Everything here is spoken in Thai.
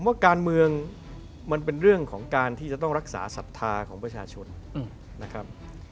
ว่าการเมืองมันเป็นเรื่องของการที่จะต้องรักษาศรัทธาของประชาชนนะครับ